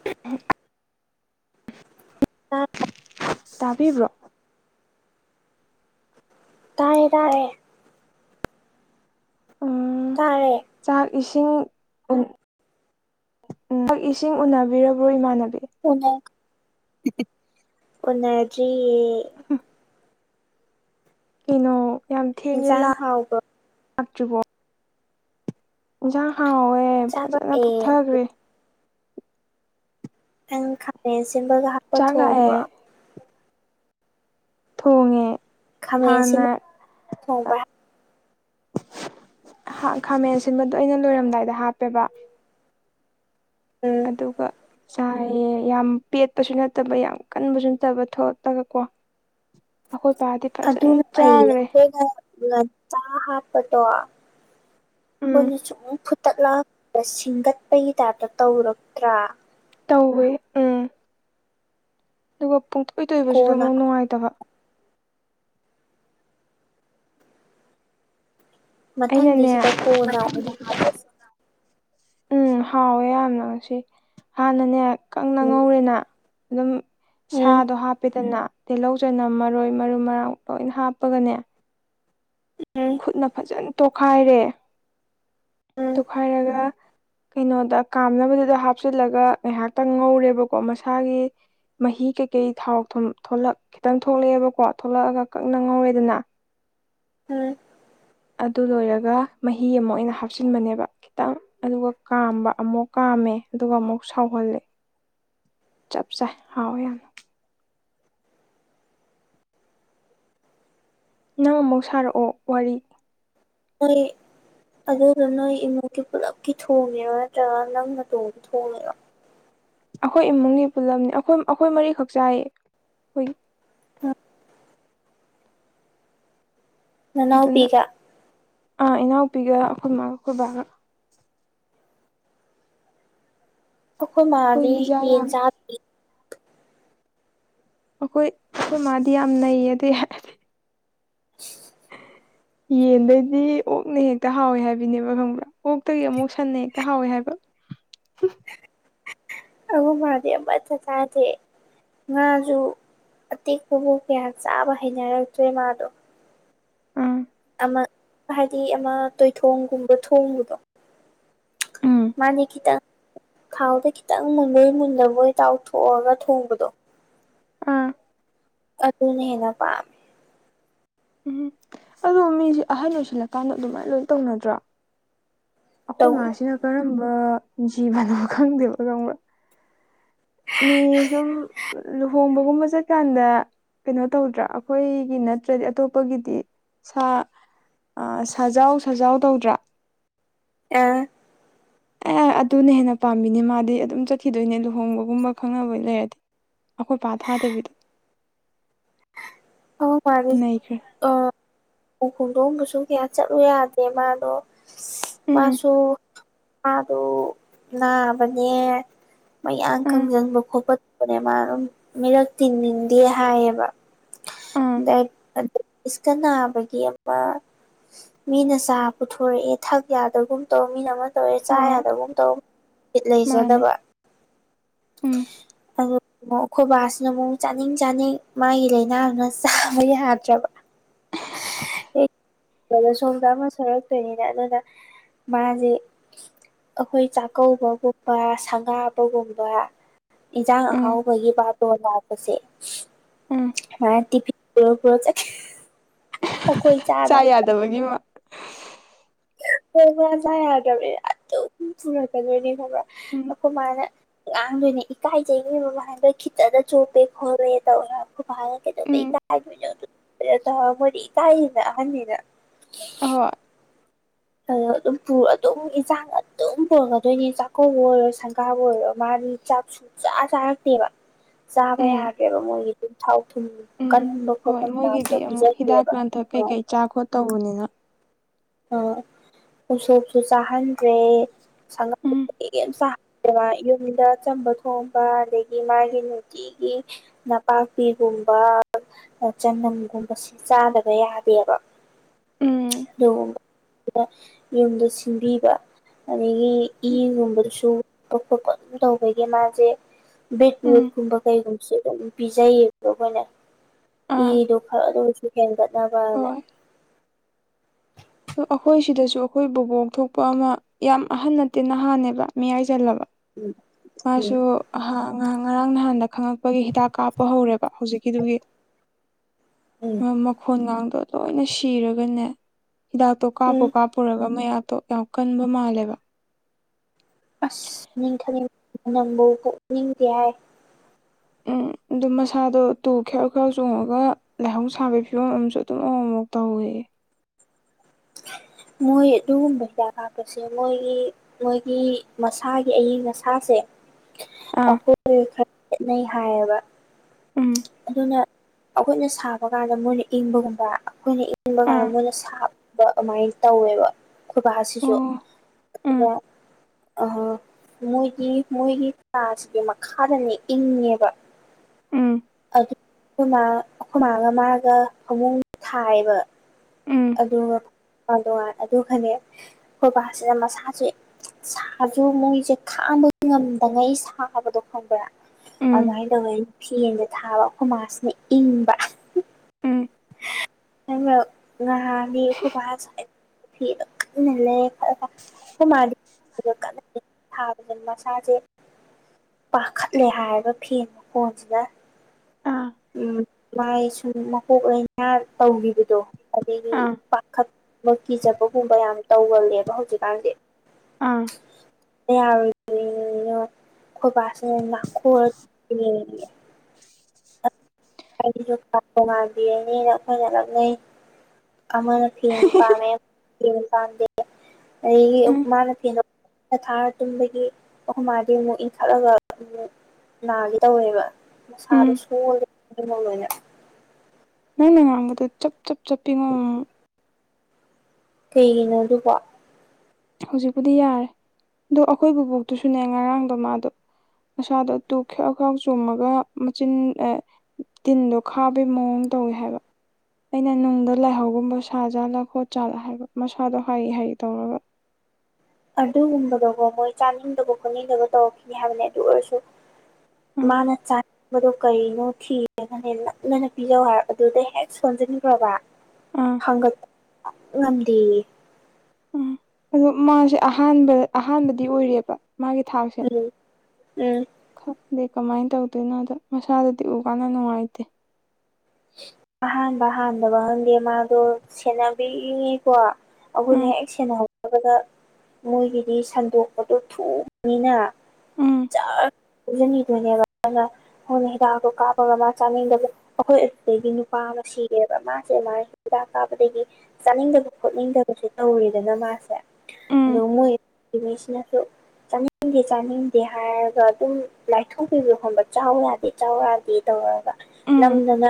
[inaudible] ꯇꯥꯕꯤꯕ꯭ꯔꯣ ꯇꯥꯢꯌꯦ ꯇꯥꯢꯌꯦ ꯎꯝ ꯇꯥꯔꯦ ꯆꯥꯛ ꯏꯁꯤꯡ ꯎꯝ ꯆꯥꯛ ꯏꯁꯤꯡ ꯎꯅꯕꯤꯔꯕ꯭ꯔꯣ ꯏꯃꯥꯟꯅꯕꯤ [unintelligible] ꯎꯟꯅꯗ꯭ꯔꯤꯌꯦ [inaudible] ꯀꯩꯅꯣ ꯌꯥꯝ ꯊꯦꯡꯉꯦ ꯏꯟꯁꯥꯡ ꯂꯥꯛ ꯍꯥꯎꯕ꯭ꯔꯣ ꯂꯥꯛꯇ꯭ꯔꯤꯕꯣ ꯏꯟꯁꯥꯡ ꯍꯥꯎꯋꯦ ꯐꯖꯟꯅ ꯆꯥꯔꯛꯑꯦ ꯐꯨꯛꯊꯒ꯭ꯔꯦ ꯅꯪ ꯈꯥꯃꯦꯟ ꯑꯁꯤꯟꯕꯒ ꯍꯥꯞꯄ ꯆꯥꯛ ꯊꯣꯡꯕ꯭ꯔꯣ ꯂꯥꯛꯑꯦ ꯊꯣꯡꯉꯦ ꯈꯥꯃꯦꯟ ꯍꯥꯟꯅ ꯁꯤꯟꯕ ꯊꯣꯡꯕ ꯈꯥꯃꯦꯟ ꯑꯁꯤꯟꯕꯗꯣ ꯑꯩꯅ ꯂꯣꯢꯔꯝꯗꯥꯢꯗ ꯍꯥꯞꯄꯦꯕ ꯎꯝ ꯑꯗꯨꯒ ꯆꯥꯢꯌꯦ ꯌꯥꯝ ꯄꯦꯠꯄꯁꯨ ꯅꯠꯇꯕ ꯌꯥꯝ ꯀꯟꯕꯁꯨ ꯅꯠꯇꯕ ꯊꫭꯠꯂꯒ ꯀꯣ ꯑꯩꯈꯣꯢꯄꯥꯗꯤ ꯑꯗꯨꯅ ꯐꯩꯌꯦ [unintelligible] ꯉꯟꯇꯥ ꯍꯥꯞꯄꯗꫭ ꯎꯝ ꯑꯈꫭꯢꯅ ꯁꯨꯝ ꯐꯨꯠ ꯇꯠꯂꯒ ꯁꯤꯟꯒꯠꯄꯒꯤ ꯇꯥꯏꯞꯇ ꯇꯧꯔꯛꯇ꯭ꯔꯥ ꯇꯧꯋꯦ ꯎꯝ ꯑꯗꯨꯒ ꯄꯨꯡꯇꯣꯏ ꯇꯣꯏꯕꯁꯨꯗꯨ ꯀꯣꯟꯅ ꯑꯃꯨꯛ ꯅꯨꯡꯉꯥꯏꯇꯕ ꯃꯊꯪꯗꯤ ꯑꯩꯅꯅꯦ ꯁꯤꯗ ꯀꯣꯟꯅ ꯃꯊꯪꯗꯤ ꯑꯣꯏꯅ ꯍꯥꯞꯄꯁꯤ ꯈꯤꯇꯪ ꯎꯝ ꯍꯥꯎꯋꯦ ꯌꯥꯝꯅ ꯉꯁꯤ ꯍꯥꯟꯅꯅꯦ ꯀꯪꯅ ꯎꯝ ꯉꯧꯔꯦꯅ ꯑꯗꯨꯝ ꯎꯝ ꯁꯥꯗꯣ ꯍꯥꯞꯄꯦꯗꯅ ꯇꯤꯜꯂꯧ ꯆꯅꯝ ꯃꯔꯣꯏ ꯃꯔꯨ ꯃꯔꯥꯡ ꯂꯣꯏꯅ ꯍꯥꯞꯄꯒꯅꯦ ꯎꯝ ꯈꯨꯠꯅ ꯐꯖꯟ ꯇꯣꯈꯥꯏꯔꯦ ꯎꯝ ꯇꯣꯛꯈꯥꯏꯔꯒ ꯀꯩꯅꯣꯗ ꯀꯥꯝꯅꯕꯗꯨꯗ ꯍꯥꯞꯆꯤꯜꯂꯒ ꯉꯥꯏꯍꯥꯛꯇꯪ ꯉꯧꯔꯦꯕꯀꯣ ꯃꯁꯥꯒꯤ ꯃꯍꯤ ꯀꯩꯀꯩ ꯊꯥꯎ ꯊꯨꯝ ꯊꯣꯛꯂꯛ ꯈꯤꯇꯪ ꯊꯣꯛꯂꯛꯑꯦꯕꯀꯣ ꯊꯣꯛꯂꯛꯑꯒ ꯀꯪꯅ ꯉꯧꯔꯦꯗꯅ ꯎꯝ ꯑꯗꯨ ꯂꯣꯏꯔꯒ ꯃꯍꯤ ꯑꯃꯨꯛ ꯑꯩꯅ ꯍꯥꯞꯆꯤꯟꯕꯅꯦꯕ ꯈꯤꯇꯪ ꯑꯗꯨꯒ ꯀꯥꯝꯕ ꯑꯃꯨꯛ ꯀꯥꯝꯃꯦ ꯑꯗꯨꯒ ꯑꯃꯨꯛ ꯁꯥꯎꯍꯜꯂꯦ ꯆꯞ ꯆꯥꯏ ꯍꯥꯎꯋꯦ ꯌꯥꯝꯅ ꯅꯪ ꯑꯃꯨꯛ ꯁꯥꯔꯛꯑꯣ ꯋꯥꯔꯤ ꯑꯣꯏ ꯑꯗꯨꯗꯣ ꯅꯣꯏ ꯏꯃꯨꯡꯒꯤ ꯄꯨꯂꯞꯀꯤ ꯊꯣꯡꯉꯤꯔꫭ ꯅꯠꯇ꯭ꯔꯒ ꯅꯪ ꯅꯇꯣꯝꯒꯤ ꯊꯣꯡꯉꯤꯔꫭ ꯑꯩꯈꯣꯏ ꯏꯃꯨꯡꯒꯤ ꯄꯨꯜꯂꯞꯅꯤ ꯑꯩꯈꯣꯏ ꯑꯩꯈꯣꯏ ꯃꯔꯤꯈꯛ ꯆꯥꯏꯌꯦ ꯑꯩꯈꯣꯏꯒꯤ [unintelligible] ꯅꯅꯥꯎ ꯑꯗꯨꯅ ꯄꯤꯒ ꯑꯥ ꯏꯅꯥꯎꯄꯤꯒ ꯑꯩꯈꯣꯏ ꯃꯥꯒ ꯑꯩꯈꯣꯏꯕꯥꯒ ꯑꯩꯈꯣꯏ ꯃꯥꯗꯤ ꯃꯤꯖꯥ ꯌꯦꯟ ꯌꯥꯝ ꯆꯥꯗꯤ ꯑꯩꯈꯣꯏ ꯑꯈꫭꯏ ꯃꯥꯗꯤ ꯌꯥꯝ ꯅꯩꯌꯦ ꯑꯗꯨꯏ ꯍꯥꯏꯔꯗꯤ [unintelligible] [inaudible] ꯌꯦꯟꯗꯩꯗꯤ ꯑꯣꯛꯅ ꯍꯦꯛꯇ ꯍꯥꯎꯋꯦ ꯍꯥꯏꯕꯤꯅꯦꯕ ꯈꯪꯕ꯭ꯔꯥ ꯑꯣꯛꯇꯒꯤ ꯑꯃꯨꯛ ꯁꯟꯅ ꯍꯦꯛꯇ ꯍꯥꯎꯋꯦ ꯍꯥꯏꯕ ꯑꯈꯣꯃꯥꯗꯤ ꯑꯃꯠꯇ ꯆꯥꯗꯦ ꯉꯥꯖꯨ ꯑꯇꯦꯛꯄꯕꯨꯛ ꯀꯌꯥ ꯆꯥꯕ ꯍꯩꯅꯔꯛꯇ꯭ꯔꯦ ꯃꯥꯗꯣ ꯎꯝ ꯑꯃ ꯍꯥꯏꯗꯤ ꯑꯃ ꯇꯣꯏꯊꯣꯡꯒꯨꯝꯕ ꯊꯣꯡꯕꯗꯣ ꯃꯥꯅꯦ ꯈꯤꯇꯪ ꯊꯥꯎꯗ ꯈꯤꯇꯪ ꯃꯨꯟꯕꯣꯏ ꯃꯨꯟꯗꯕꯣꯏ ꯇꯥꯎꯊꯣꯛꯑꯒ ꯊꯣꯡꯕꯗꯣ ꯑꯥ ꯑꯗꯨꯅ ꯍꯦꯟꯅ ꯄꯥꯝꯃꯦ ꯎꯝ ꯑꯗꯣ ꯃꯤꯁꯦ ꯑꯍꯟ ꯑꯣꯏꯁꯤꯜꯂꯀꯥꯟꯗ ꯑꯗꯨꯃꯥꯏꯅ ꯂꯣꯏ ꯇꯧꯅꯗ꯭ꯔꫭ ꯑꯩꯈꯣꯏ ꯇꯧꯋꯤ ꯃꯥꯁꯤꯅ ꯀꯔꯝꯕ ꯖꯤꯕꯅꯣ ꯈꯪꯗꯦꯕ ꯈꯪꯕ꯭ꯔꯥ ꯃꯤ ꯁꯨꯝ ꯂꯨꯍꯣꯡꯕꯒꯨꯝꯕ ꯆꯠꯀꯥꯟꯗ ꯀꯩꯅꯣ ꯇꯧꯗ꯭ꯔꯥ ꯑꯩꯈꯣꯏꯒꯤ ꯅꯠꯇ꯭ꯔꯗꯤ ꯑꯇꯣꯞꯄꯒꯤꯗꯤ ꯁꯥ ꯑ ꯁꯥꯖꯥꯎ ꯁꯥꯖꯥꯎ ꯇꯧꯗ꯭ꯔꯥ ꯑ ꯑꯦ ꯑꯗꯨꯅ ꯍꯦꯟꯅ ꯄꯥꯝꯕꯤꯅꯦ ꯃꯥꯗꯤ ꯑꯗꯨꯝ ꯆꯠꯈꯤꯗꯣꯏꯅꯦ ꯂꯨꯍꯣꯡꯕꯒꯨꯝꯕ ꯈꯪꯅꯕꯩ ꯂꯩꯔꯗꯤ ꯑꯩꯈꯣꯏ ꯄꯥ ꯊꯥꯗꯕꯤ ꯑꯋꯣ ꯄꯥꯗꯤ ꯅꯩꯈ꯭ꯔꯦ ꯑ ꯎꯍꯣꯡꯗꯣꯡꯕꯁꯨ ꯀꯌꯥ ꯆꯠꯂꯨ ꯌꯥꯗꯦ ꯃꯥꯗꯣ ꯎꯝ ꯃꯥꯁꯨ ꯃꯥꯗꯨ ꯅꯥꯕꯅꯦ ꯃꯌꯥꯡ ꯎꯝ ꯀꯪꯖꯟꯕ ꯈꯣꯠꯄꯕꯅꯦ ꯃꯥ ꯑꯝ ꯃꯤꯔꯛ ꯇꯤꯟꯅꯤꯡꯗꯦ ꯍꯥꯏꯌꯦꯕ ꯑꯥ ꯗꯥꯏ ꯑ ꯏꯁꯀ ꯅꯥꯕꯒꯤ ꯑꯃ ꯃꯤꯅ ꯆꯥ ꯄꯨꯊꯣꯔꯛꯑꯦ ꯊꯛ ꯌꯥꯗꯕꯒꯨꯝ ꯇꯧ ꯃꯤꯅ ꯑꯃ ꯇꯧꯋꯦ ꯆꯥ ꯍꯣꯏ ꯌꯥꯗꯕ ꯑ [unintelligible] ꯇꯧꯠ [unintelligible] ꯃꯥꯅꯦ ꯂꯩꯖꯗꯕ ꯎꯝ ꯑ [unintelligible] ꯑꯃꯛ [unintelligible] ꯑꯩꯈꯣꯏ ꯕꯥꯁꯤꯅ ꯑꯃꯨꯛ ꯆꯥꯅꯤꯡ ꯆꯥꯅꯤꯡ ꯃꯥꯒꯤ ꯂꯥꯏꯅꯥꯗꯨꯅ ꯆꯥꯕ ꯌꯥꯗ꯭ꯔꯕ ꯕꯗ [unintelligible] ꯁꯣꯝꯗ [unintelligible] ꯑꯃ ꯁꯣꯏꯔꯛꯇꯣꯏꯅꯤꯅ ꯑꯗꯨꯅ ꯃꯥꯖꯦ ꯑꯩꯈꯣꯏ ꯆꯥꯛꯀꯧꯕꯒꯨꯝꯕ ꯁꯪꯒꯥꯕꯒꯨꯝꯕ ꯏꯟꯁꯥꯡ ꯎꯝ ꯑꯍꯥꯎꯕꯒꯤ ꯕꯥꯇꯣꯟ ꯂꯥꯛꯄꯁꯦ ꯎꯝ [unintelligible] ꯇꯤꯤ [unintelligible] ꯟꯄꯨꯔ ꯄꯨꯔ ꯆꯠꯈꯤꯗꯣꯏꯅꯦ ꯈꯣꯏ [unintelligible] ꯆꯥꯗ ꯑꯗꯨꯒꯤ [unintelligible] ꯍꯣꯏ ꯃꯥ ꯆꯥ ꯌꯥꯗꯕꯅꯤ ꯑꯗꯨꯝ ꯄꯨꯔꯛꯀꯗꯣꯏꯅꯤ ꯈꯪꯕ꯭ꯔꯥ ꯎꯝ ꯑꯩꯈꯣꯏ ꯃꯥꯅ ꯉꯥꯡꯗꯣꯏꯅꯦ ꯏꯀꯥꯏꯖꯩ ꯃꯤ ꯃꯃꯥꯡꯗ ꯈꯤꯇꯗ ꯆꯣꯞꯄꯦ ꯈꯣꯠꯂꯦ ꯇꯧꯔ ꯦꯩ [unintelligible] ꯀꯩꯗꯧꯕꯩ ꯎꯝ ꯏꯀꯥꯏꯗꯣꯏꯅꯣ ꯑꯗꯨꯇꯧꯗꯣꯏꯅꯣ ꯇꯧꯔ [unintelligible] ꯃꯣꯏꯗꯤ ꯏꯀꯥꯏꯔꯤꯕ ꯑꯍꯟꯅꯤꯅ ꯍꯣꯏ ꯑꯧ ꯑꯗꯨꯝ ꯄꯨꯔ ꯑꯗꯨꯝ ꯏꯟꯁꯥꯡ ꯑꯗꯨꯝ ꯄꯨꯔꯛꯀꯗꯣꯏꯅꯤ ꯆꯥꯛꯀꯧꯕ ꯑꯣꯏꯔꯣ ꯁꯪꯒꯥꯕ ꯑꯣꯏꯔꯣ ꯃꯥꯗꯤ ꯆꯥꯛꯁꯨ ꯁꯨꯡꯆꯥ ꯆꯥꯔꯛꯇꯦꯕ ꯆꯥꯕ ꯎꯝ ꯌꯥꯗ꯭ꯔꯦꯕ ꯃꯣꯏꯒꯤ ꯑꯗꯨꯝ ꯊꯥꯎ ꯊꯨꯝ ꯎꯝ ꯀꯟꯕ ꯍꯣꯏ ꯈꯣꯠꯄ ꯆꯗꯣ ꯃꯣꯏꯒꯤꯗꯤ [unintelligible] ꯑꯃꯨꯛ ꯍꯤꯗꯥꯛ ꯄꯤꯖꯒꯦꯕ ꯂꯥꯡꯊꯛ [unintelligible] ꯑꯣ ꯀꯩꯀꯩ [unintelligible] ꯆꯥ ꯈꯣꯠꯇꯧꯕꯅꯤꯅ ꯑ ꯎꯁꯣꯞꯁꯨ ꯆꯥꯍꯟꯗ꯭ꯔꯦ ꯁꯪꯒ ꯎꯝ ꯌꯥꯝ [unintelligible] ꯁꯥꯍꯦ [unintelligible] ꯃꯥ [unintelligible] ꯌꯨꯝꯗ ꯑꯆꯝꯕ ꯊꯣꯡꯕ ꯑꯗꯒꯤ ꯃꯥꯒꯤ ꯅꯨꯡꯇꯤꯒꯤ ꯅꯄꯥꯛꯄꯤꯒꯨꯝꯕ ꯆꯅꯝꯒꯨꯝꯕꯁꯤ ꯆꯥꯗꯕ ꯌꯥꯗꯦꯕ ꯎꯝ ꯌ [unintelligible] [unintelligible] ꯌꯨꯝꯗ ꯁꯤꯟꯕꯤꯕ ꯑꯗꯒꯤ ꯏꯒꯨꯝꯕꯗꯨꯁꯨ ꯎꯠꯄ [unintelligible] ꯈꯣꯠꯄ [unintelligible] ꯑꯗꯨꯝ ꯇꯧꯕꯒꯤ ꯃꯥꯁꯦ ꯎꯝ ꯕꯤꯠꯔꯨꯠ ꯀꯨꯝꯕ ꯀꯩꯒꯨꯝꯕꯁꯦ ꯑꯗꯨꯝ ꯄꯤꯖꯩꯌꯦꯕ ꯑꯩꯈꯣꯏꯅ ꯑꯥ ꯏꯗꯣ ꯈꯔꯗ ꯑꯣꯏꯔꯁꯨ ꯍꯦꯟꯒꯠꯅꯕꯅ ꯑ ꯑꯩꯈꯣꯏ ꯁꯤꯗꯁꯨ ꯑꯩꯈꯣꯏ ꯕꯨꯕꯣꯛ ꯊꯣꯛꯄ ꯑꯃ ꯌꯥꯝ ꯑꯍꯟ ꯅꯠꯇꯦ ꯅꯍꯥꯅꯦꯕ ꯃꯤꯌꯥꯏ ꯆꯜꯂꯕ ꯎꯝ ꯃꯥꯁꯨ ꯑꯍ [unintelligible] ꯑꯉꯥꯡ [unintelligible] ꯉꯔꯥꯡ ꯅꯍꯥꯟꯗ ꯈꯪꯉꯛꯄꯒꯤ ꯍꯤꯗꯥꯛ ꯀꯥꯞꯄ ꯍꯧꯔꯦꯕ ꯍꯧꯖꯤꯛꯀꯤꯗꯨꯒꯤ ꯎꯝ ꯃꯈꯣꯟꯒꯥꯡꯗꯣ ꯂꯣꯏꯅ ꯁꯤꯔꯒꯅꯦ ꯍꯤꯗꯥꯛꯇꯣ ꯀꯥꯞꯄꯨ ꯎꯝ ꯀꯥꯞꯄꯨꯔꯒ ꯃꯌꯥꯛꯇꯣ ꯌꯥꯝ ꯀꯟꯕ ꯃꯥꯜꯂꯦꯕ ꯑ꯭ꯁ ꯃꯤ [unintelligible] ꯊ [unintelligible] ꯅꯕꯨ [unintelligible] ꯀꯌꯥꯏ [unintelligible] ꯎꯝ ꯑꯗꯨ ꯃꯁꯥꯗꯣ ꯇꯨ ꯈ꯭ꯌꯥꯎ ꯈ꯭ꯌꯥꯎ ꯆꯣꯡꯉꯒ ꯂꯥꯏꯍꯧ ꯁꯥꯕꯒꯤ ꯐꯤꯕꯝ ꯑꯃꯁꯨ ꯑꯗꯨꯝ ꯑꯃꯨꯛ ꯃꯨꯛ ꯇꯧꯋꯦꯌꯦ ꯃꯣꯏ ꯑꯗꯨꯒꯨꯝꯕ ꯍꯤꯗꯥꯛ ꯀꯥꯞꯄꯁꯦ ꯃꯣꯏꯒꯤ ꯃꯣꯏꯒꯤ ꯃꯁꯥꯒꯤ ꯑꯏꯪ ꯑꯁꯥꯁꯦ ꯑꯥ ꯑꯩꯈꯣꯏ [unintelligible] ꯈꯔ [unintelligible] ꯈꯦꯅꯩ [unintelligible] ꯍꯥꯏꯌꯦꯕ ꯎꯝ ꯑꯗꯨꯅ ꯑꯩꯈꯣꯏꯅ ꯁꯥꯕ ꯀꯥꯟꯗ ꯃꯣꯏꯅ ꯏꯪꯕꯒꯨꯝꯕ ꯑꯩꯈꯣꯏꯅ ꯏꯪꯕ ꯀꯥꯟꯗ ꯑꯥ ꯃꯣꯏꯅ ꯁꯥꯕ [unintelligible] ꯑꯗꯨꯃꯥꯏꯅ ꯇꯧꯋꯦꯕ ꯑꯣ ꯈꯨꯣꯏꯕꯥꯁꯤꯁꯨ ꯎꯝ ꯑꯗꯨꯒ ꯑ ꯃꯣꯏꯒꯤ ꯃꯣꯏꯒꯤ ꯀꯥꯁꯤꯗꯤ ꯃꯈꯥꯗꯅꯦ ꯏꯪꯉꯦꯕ ꯎꯝ [unintelligible] ꯑꯩꯈꯣꯏꯃꯒ [unintelligible] ꯃꯥꯒ ꯐꯃꯨꯡ ꯊꯥꯏꯕ ꯎꯝ ꯑꯗꯨꯒ ꯉꯥꯟ [unintelligible] ꯇꯣꯉꯥꯟ [unintelligible] ꯑꯗꯨꯒꯅꯦ ꯈꯣꯏꯕꯥꯁꯤꯅ ꯃꯁꯥꯁꯦ ꯁꯥꯖꯨ ꯃꯣꯏꯁꯦ ꯈꯥꯡꯕ ꯉꯝꯗꯉꯩ ꯁꯥꯕꯗꯣ ꯈꯪꯕ꯭ꯔꯥ ꯎꯝ ꯑꯗꯨꯃꯥꯏꯅ ꯇꯧꯕꯩ ꯐꯦꯟꯁꯦ ꯊꯥꯕ ꯈꯣꯏꯃꯥꯁꯤꯅ ꯏꯪꯕ ꯎꯝ ꯅꯪꯔꯣ ꯅꯍꯥꯟꯗꯤ ꯑꯩꯈꯣꯏ [inaudible] [inaudible] [inaudible] ꯃꯁꯥꯁꯦ ꯄꯥꯈꯠꯂꯦ ꯍꯥꯏꯕ ꯐꯦꯟ ꯃꯈꯣꯟꯁꯤꯒ ꯑꯥ ꯎꯝ ꯃꯥꯏ ꯁꯨꯝ ꯃꯀꯣꯛ ꯂꯥꯏꯅꯥ ꯇꯧꯒꯤꯕꯗꯣ ꯑꯗꯨꯒꯤ ꯑꯥ ꯄꯥ ꯈꯠ ꯑ ꯀꯤꯖꯕꯒꯨꯝꯕ ꯌꯥꯝ ꯇꯧꯒꯜꯂꯦꯕ ꯍꯧꯖꯤꯛ ꯀꯥꯟꯁꯦ ꯎꯝ [inaudible] ꯑꯩꯈꯣꯏ ꯕꯥꯁꯤꯅ ꯅꯥꯈꯣꯛꯒ ꯇꯨꯝꯃꯤꯅꯦ [unintelligible] [inaudible] ꯑꯩꯈꯣꯏꯒ ꯅꯛꯅꯩ ꯑꯃ ꯐꯦꯟ ꯄꯥꯝꯃꯦ ꯐꯦꯟ ꯄꯥꯝꯗꯦ ꯑꯗꯒꯤ ꯎꯝ ꯃꯥꯅ ꯐꯦꯟꯗꯣ ꯀꯟꯅ ꯊꯥꯔ ꯇꯨꯝꯕꯒꯤ ꯑꯩꯈꯣꯏ ꯃꯥꯗꯤ ꯑꯃꯨꯛ ꯏꯟꯈꯠꯂꯒ ꯑꯃꯨꯛ ꯅꯥꯒꯦ ꯇꯧꯋꯦꯕ ꯎꯝ ꯃꯁꯥꯗꯣ ꯁꯣꯜꯂ [inaudible] ꯂꯣꯏꯅ ꯅꯪꯅ ꯉꯥꯡꯕꯗꯣ ꯆꯞ ꯆꯞ ꯆꯞꯄꯤꯉꯣ ꯑꯃꯨꯛ ꯃꯨꯛ ꯀꯩꯒꯤꯅꯣ ꯑꯗꯨꯕꯣ ꯍꯧꯖꯤꯛꯄꯨꯗꯤ ꯌꯥꯔꯦ ꯑꯗꯣ ꯑꯩꯈꯣꯏ ꯕꯨꯕꯣꯛꯇꯨꯁꯨꯅꯦ ꯉꯔꯥꯡꯗꯣ ꯃꯥꯗꯣ ꯃꯁꯥꯗꯣ ꯇꯨ ꯈ꯭ꯌꯥꯎ ꯈ꯭ꯌꯥꯎ ꯆꯨꯝꯃꯒ ꯃꯆꯤꯟ ꯑ ꯇꯤꯟꯗꯣ ꯈꯥꯕꯒꯤ ꯃꯑꯣꯡ ꯇꯧꯋꯤ ꯍꯥꯏꯕ ꯑꯩꯅ ꯅꯨꯡꯗ ꯂꯥꯏꯍꯧꯒꯨꯝꯕ ꯁꯥꯖꯥꯠꯂ ꯈꯣꯠ ꯆꯥꯜꯂ ꯍꯥꯏꯕ ꯃꯁꯥꯗꯣ ꯍꯥꯏꯔꯤ ꯍꯥꯏꯔꯤ ꯇꯧꯔꯒ ꯑꯗꯨꯒꯨꯝꯕꯗꯣꯀꯣ ꯃꯣꯏ ꯆꯥꯅꯤꯡꯗꯕ ꯈꯣꯠꯅꯤꯡꯗꯕ ꯇꯧꯔꯛꯈꯤꯅꯤ ꯍꯥꯏꯕꯅꯤ ꯑꯗꯨ ꯑꯣꯏꯔꯁꯨ ꯎꯝ ꯃꯥꯅ ꯆꯥꯅꯤꯡ ꯕꯗꯣ ꯀꯩꯅꯣ ꯊꯤꯔꯒꯅꯦ ꯅꯝꯗꯅ ꯄꯤꯖꯧ ꯍꯥꯏ ꯑꯗꯨꯗ ꯍꯦꯛ ꯁꯣꯟꯁꯤꯟꯈ꯭ꯔꯕ ꯑꯥ ꯍꯪꯒꯠꯄ ꯁꯨꯉꯝ ꯉꯝꯗꯦꯌꯦ ꯎꯝ ꯑꯗꯣ ꯃꯥꯁꯦ ꯑꯍꯥꯟꯕ ꯑꯍꯥꯟꯕꯗꯤ ꯑꯣꯏꯔꯤꯑꯦꯕ ꯃꯥꯒꯤ ꯊꯥꯛꯁꯦ ꯎꯝ ꯎꯝ ꯈꯪꯗꯦ ꯀꯃꯥꯏ ꯇꯧꯗꯣꯏꯅꯣꯗ ꯃꯁꯥꯗꯨꯗꯤ ꯎ ꯀꯥꯟꯗ ꯅꯨꯡꯉꯥꯏꯇꯦ ꯑꯍꯥꯟꯕ ꯍꯥꯟꯗꯕ ꯈꯪꯗꯦ ꯃꯥꯗꯣ ꯁꯦꯟꯅꯕꯤꯔꯤꯀꯣ ꯑꯩꯈꯣꯏꯅ ꯎꯝ ꯍꯦꯛ ꯁꯦꯟꯅ ꯍꯧꯗꯕꯗ ꯃꯣꯏꯒꯤꯗꯤ ꯁꯟꯗꯣꯛꯄꯗꯣ ꯊꯨꯕꯅꯤꯅ ꯎꯝ ꯖꯔ ꯍꯧꯖꯤꯟꯈꯤꯗꯣꯏꯅꯦꯕ ꯑꯗꯨꯅ [inaudible] ꯍꯤꯗꯥꯛꯗꯣ ꯀꯥꯞꯄꯒ ꯃꯥ ꯆꯥꯅꯤꯡꯗꯕꯗꯣ ꯑꯩꯈꯣꯏ ꯑꯗꯨꯗꯒꯤ ꯅꯨꯄꯥ ꯑꯃ ꯁꯤꯔꯦꯕ ꯃꯥꯁꯦ ꯑꯗꯨꯃꯥꯥꯏ ꯍꯤꯗꯥꯛ ꯀꯥꯞꯄꯗꯒꯤ ꯆꯥꯅꯤꯡꯗꯕ ꯈꯣꯠꯅꯤꯡꯗꯕꯁꯨ ꯇꯧꯔꯦꯗꯅ ꯃꯥꯁꯦ ꯑꯗꯣ ꯎꯝ ꯃꯣꯏꯉꯩꯁꯤꯅꯁꯨ ꯆꯥꯅꯤꯡꯗꯦ ꯆꯥꯅꯤꯡ ꯗꯦ ꯍꯥꯏꯔꯒ ꯑꯗꯨꯝ ꯂꯥꯏꯊꯣꯛꯄꯤꯕꯗꯣ ꯈꯪꯕ꯭ꯔꯥ ꯆꯥꯎ ꯌꯥꯗꯦ ꯆꯥꯎ ꯌꯥꯗꯦ ꯇꯧꯔꯒ ꯎꯝ ꯅꯝꯗꯅ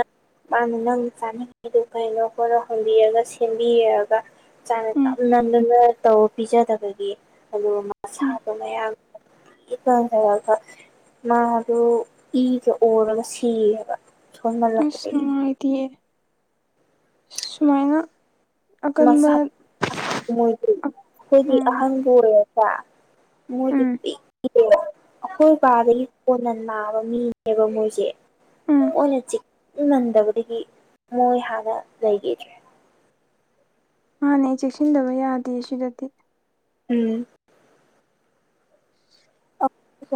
ꯃꯥꯅ ꯅꯪ ꯆꯥꯅꯤꯡꯉꯤꯗꯣ ꯀꯩꯅꯣ ꯈꯣꯠꯅꯣ ꯍꯪꯕꯤꯔꯒ ꯁꯦꯝꯕꯤꯔꯒ ꯆꯥꯛꯅ ꯎꯝ ꯅꯝ ꯅꯝꯗꯅ ꯇꯧ ꯄꯤꯖꯗꯕꯒꯤ ꯑꯗꯨꯒ ꯎꯝ ꯃꯁꯥꯗꯣ ꯃꯌꯥꯡ ꯏ [inaudible] ꯃꯥꯗꯣ ꯏꯒ ꯑꯣꯔꯒ ꯁꯤꯌꯦꯕ ꯑꯁ ꯅꯨꯡꯉꯥꯏꯇꯤꯌꯦ ꯑꯁ ꯁꯨꯃꯥꯏꯅ ꯑꯀꯟꯕ ꯃꯁꯥ ꯃꯣꯏꯗꯤ ꯑꯩꯈꯣꯏꯗꯤ ꯎꯝ ꯑꯍꯟꯕꯨ ꯑꯣꯏꯔꯦ ꯄ ꯃꯣꯏꯗꯤ ꯎꯝ [inaudible] ꯑꯩꯈꯣꯏ ꯕꯥꯗꯒꯤ ꯀꯣꯟꯅ ꯅꯥꯕ ꯃꯤꯅꯦꯕ ꯃꯣꯏꯁꯦ ꯎꯝ ꯃꯣꯏꯅ ꯆꯦꯛ ꯃꯟꯗꯕꯗꯒꯤ ꯃꯣꯏ ꯍꯥꯟꯅ ꯂꯩꯈꯤꯗ꯭ꯔꯦ ꯃꯥꯥꯟꯅꯦ ꯆꯦꯛꯁꯤꯟꯗꯕ ꯌꯥꯗꯦ ꯁꯤꯗꯗꯤ ꯎꯝ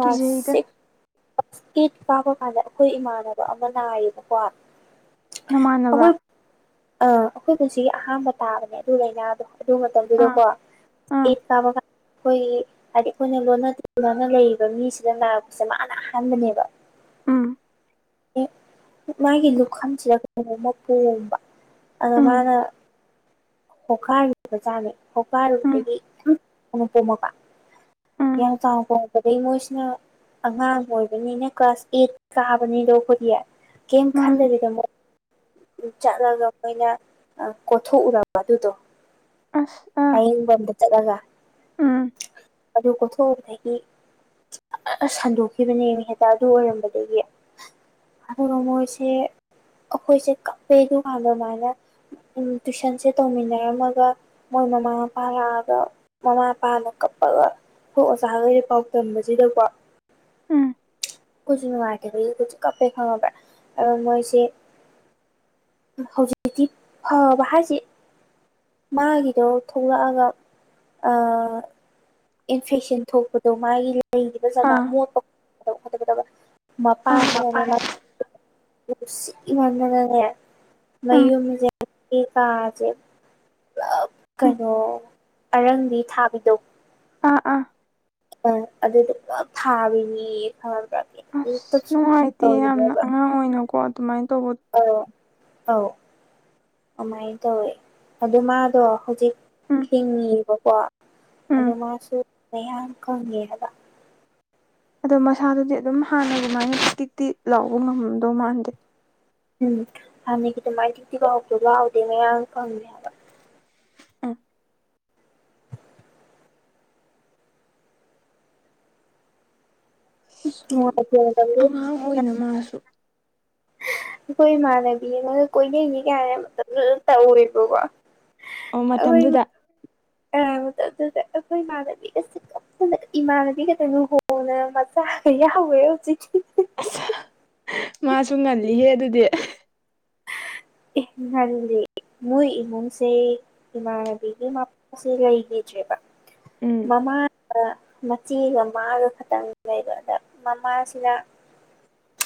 ꯀꯤꯖꯩꯗ [unintelligible] ꯀꯥꯕ ꯀꯥꯟꯗ ꯑꯩꯈꯣꯏ ꯏꯃꯥꯟꯅꯕ ꯑꯃ ꯅꯥꯏꯌꯦꯕꯀꯣ ꯅꯃꯥꯟꯅꯕ ꯑꯥ ꯑꯈꯣꯏ ꯄꯨꯟꯁꯤꯒꯤ ꯑꯍꯥꯟꯕ ꯇꯥꯕꯅꯦ ꯑꯗꯨ ꯂꯩꯅꯥꯗꯣ ꯑꯗꯨ ꯑꯥ ꯃꯇꯝꯗꯨꯗꯀꯣ ꯑꯥ ꯑꯦꯠ ꯀꯥꯕ ꯀꯥꯟ ꯑꯩꯈꯣꯏꯒꯤ ꯍꯥꯏꯗꯤ ꯑꯩꯈꯣꯏꯅ ꯂꯣꯟꯅ ꯃꯥꯅ ꯂꯩꯔꯤꯕ ꯃꯤꯁꯤꯗ ꯅꯥꯔꯛꯄꯁꯦ ꯃꯥꯅ ꯑꯍꯥꯟꯕꯅꯦꯕ ꯎꯝ ꯏ ꯃꯥꯒꯤ ꯂꯨꯈꯝꯁꯤꯗ ꯀꯩꯅꯣꯝꯃ ꯄꯣꯝꯕ ꯑꯗ ꯎꯝ ꯃꯥꯅ ꯄꯣꯛꯈꯥꯏꯔꯨꯕ ꯖꯥꯠꯅꯤ ꯎꯝ ꯄꯣꯛꯈꯥꯏꯔꯨꯕꯗꯒꯤ ꯌꯥꯝ ꯑꯃꯨꯛ ꯄꯣꯝꯃꯕ ꯎꯝ ꯌꯥꯝ ꯆꯥꯎꯅ ꯄꯣꯝꯃꯛꯄꯗꯩ ꯃꯣꯏꯁꯤꯅ ꯑꯉꯥꯡ ꯑꯣꯏꯕꯅꯤꯅ ꯀ꯭ꯂꯥꯁ ꯑꯦꯠ ꯀꯥꯕꯅꯤꯗꯣ ꯑꯩꯈꯣꯏꯗꯤ ꯀꯩꯝ ꯃꯥꯅꯦ ꯈꯟꯗꯕꯤꯗ ꯃꯣꯏ ꯑꯗꯨꯝ ꯆꯠꯂꯒ ꯃꯣꯏꯅ ꯑ ꯀꯣꯊꯣꯛꯎꯔꯕ ꯑꯗꯨꯗꯣ ꯑꯁ ꯑꯥ ꯂꯥꯌꯦꯡꯕꯝꯗ ꯆꯠꯂꯒ ꯎꯝ ꯑꯗꯨ ꯀꯣꯊꯣꯛꯎꯕꯗꯒꯤ ꯖꯔ ꯁꯟꯗꯣꯛꯈꯤꯕꯅꯦꯃꯦ ꯍꯦꯛꯇ ꯑꯗꯨ ꯑꯣꯏꯔꯝꯕꯗꯒꯤ ꯑꯗꯨꯒ ꯃꯣꯏꯁꯦ ꯑꯈꯣꯏꯁꯦ ꯀꯞꯄꯦ ꯑꯗꯨꯀꯥꯟꯗꯃꯥꯏꯅ ꯎꯝ ꯇꯨꯏꯁꯟꯁꯦ ꯇꯧꯃꯤꯟꯅꯔꯝꯃꯒ ꯃꯣꯏ ꯃꯃꯥ ꯃꯄꯥ ꯂꯥꯛꯑꯒ ꯃꯃꯥ ꯃꯄꯥꯅ ꯀꯞꯄꯒ ꯈꯣꯏ ꯑꯣꯖꯥꯒꯩꯗ ꯄꯥꯎ ꯇꯝꯕꯁꯤꯗꯀꯣ ꯎꯝ ꯈꯣꯏꯁꯨ ꯅꯨꯡꯉꯥꯏꯇꯕꯒꯤ ꯑꯩꯈꯣꯏꯁꯦ ꯀꯞꯄꯦ ꯈꯪꯉꯕ꯭ꯔꯥ ꯑꯗꯨ ꯃꯣꯏꯁꯦ ꯍꯧꯖꯤꯛꯇꯤ ꯐꯕ ꯍꯥꯏꯁꯤ ꯃꯥꯒꯤꯗꯣ ꯊꯣꯛꯂꯛꯑꯒ ꯑꯥ ꯏꯟꯐꯦꯛꯁꯟ ꯊꯣꯛꯄꯗꯣ ꯃꯥꯒꯤ ꯂꯩꯔꯤꯕ ꯖꯒꯥ ꯑꯥ ꯃꯣꯠꯄ [unintelligible] ꯃꯄꯥꯁꯤꯅꯅꯦ ꯑꯥ [unintelligible] ꯅꯨꯡꯁꯤꯃꯟꯗꯅꯅꯦ ꯎꯝ ꯃꯌꯨꯝ ꯖꯦ [unintelligible] ꯀꯥꯖꯦ ꯄꯨꯂꯞ ꯎꯝ ꯀꯩꯅꯣ ꯑꯔꯪꯕꯤ ꯊꯥꯕꯤꯗꯣ ꯑꯥ ꯑꯥ ꯑ ꯑꯗꯨꯗꯨ ꯄꯨꯂꯞ ꯊꯥꯕꯤꯅꯦꯌꯦ ꯈꯪꯉꯕ꯭ꯔꯥ ꯑꯁ ꯀꯩꯝꯇꯁꯨ ꯅꯨꯡꯉꯥꯏꯇꯦ ꯌꯥꯝꯅ ꯇꯧꯗꯦꯕ ꯑꯉꯥꯡ ꯑꯣꯏꯅꯀꯣ ꯑꯗꯨꯃꯥꯏꯟ ꯇꯧꯕ ꯑꯧ ꯑꯧ ꯑꯃꯥꯏꯟ ꯇꯧꯋꯦ ꯑꯗꯨ ꯃꯥꯗꯣ ꯍꯧꯖꯤꯛ ꯎꯝ ꯍꯤꯡꯉꯤꯕꯀꯣ ꯎꯝ ꯑꯗꯣ ꯃꯥꯁꯨ ꯃꯌꯥꯡ ꯀꯪꯉꯦ ꯍꯥꯏꯕ ꯑꯗꯣ ꯃꯁꯥꯗꯨꯗꯤ ꯑꯗꯨꯝ ꯍꯥꯟꯅꯒꯨꯃꯥꯏꯅꯥ ꯇꯤꯛꯇꯤꯛ ꯂꯥꯎꯕ ꯉꯝꯃꯝꯗꯧ ꯃꯥꯟꯗꯦ ꯎꯝ ꯍꯥꯟꯅꯒꯤ ꯑꯗꯨꯃꯥꯏ ꯇꯤꯛ ꯇꯤꯛ ꯂꯥꯎꯕꯗꯣ ꯂꯥꯎꯗꯦ ꯃꯌꯥꯡ ꯀꯪꯉꯦ ꯍꯥꯏꯕ [unintelligible] ꯁꯨꯝ ꯅꯨꯡꯉꯥꯏꯇꯦ ꯃꯇꯝꯗꯨꯗ ꯑꯉꯥꯡ ꯑꯣꯏꯅ ꯃꯥꯁꯨ ꯑꯩꯈꯣꯏ ꯏꯃꯥꯟꯅꯕꯤ ꯑꯃꯒ ꯀꯣꯏꯅꯩꯅꯤ ꯀꯥꯏꯅ ꯃꯇꯝꯗꯨꯗ ꯇꯧꯋꯦꯕꯀꯣ ꯑꯣ ꯃꯇꯝꯗꯨꯗ [unintelligible] [inaudible] [unintelligible] ꯑꯈꯣꯏ ꯏꯃꯥꯟꯅꯕꯤꯒꯁꯦ ꯀꯞꯇꯅꯒ ꯏꯃꯥꯟꯅꯕꯤꯒ ꯂꯨꯍꯣꯡ ꯍꯣꯡꯗꯅ ꯃꯆꯥꯒ ꯌꯥꯎꯒ꯭ꯔꯦ ꯍꯧꯖꯤꯛꯇꯤ ꯑꯁ ꯃꯥꯁꯨ ꯉꯜꯂꯤꯍꯦ ꯑꯗꯨꯗꯤ ꯑꯦ ꯉꯟꯗꯗꯤ ꯃꯣꯏ ꯏꯃꯨꯡꯁꯦ ꯏꯃꯥꯟꯅꯕꯤꯒꯤ ꯃꯞ ꯁꯦ ꯂꯩꯒꯤꯗ꯭ꯔꯦꯕ ꯎꯝ ꯃꯃꯥꯅ ꯃꯆꯦꯒ ꯃꯥꯒ ꯈꯇꯪ ꯂꯩꯕ ꯑꯗ ꯃꯃꯥꯁꯤꯅ [inaudible]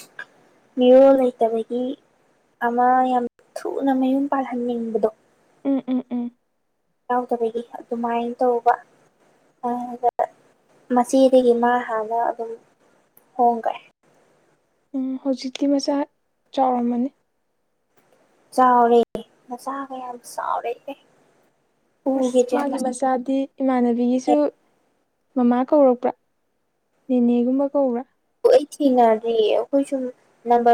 ꯃꯤꯔꯣꯜ ꯂꯩꯇꯕꯒꯤ ꯑꯃ ꯌꯥꯝ ꯊꯨꯅ ꯃꯌꯨꯝ ꯄꯥꯜꯍꯟꯅꯤꯡꯕꯗꯣ꯫ ꯎꯝ ꯎꯝ꯫ ꯌꯥꯎꯗꯕꯒꯤ ꯑꯗꯨꯃꯥꯏꯟ ꯇꯧꯕ꯫ ꯑꯗ ꯃꯆꯦꯗꯒꯤ ꯃꯥ ꯍꯥꯟꯅ ꯑꯗꯨꯝ ꯍꯣꯡꯒꯔꯦ꯫ ꯎꯝ ꯍꯧꯖꯤꯛꯇꯤ ꯃꯆꯥ ꯆꯥꯎꯔꯝꯃꯅꯤ ꯆꯥꯎꯔꯦ ꯃꯆꯥꯒ ꯌꯥꯝ ꯆꯥꯎꯔꯦꯍꯦ ꯑꯁ ꯃꯥꯒꯤ ꯃꯆꯥꯗꯤ ꯏꯃꯥꯟꯅꯕꯤꯒꯤꯁꯨ ꯃꯃꯥ ꯀꯧꯔꯛꯄ꯭ꯔꯥ ꯅꯦꯅꯦꯒꯨꯝꯕ ꯀꯧꯕ꯭ꯔꯥ ꯑꯩ ꯊꯤꯅꯗ꯭ꯔꯤꯌꯦ ꯑꯩꯈꯣꯏ ꯁꯨꯝ ꯅꯝꯕꯔ